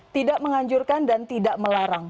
tidak menganjurkan dan tidak melarang